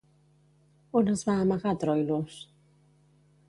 On es va amagar Troilos?